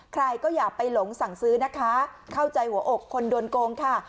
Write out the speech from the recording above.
ใครก็อย่าไปหลงสั่งซื้อนะคะเข้าใจหัวอกคนโดนโกงค่ะ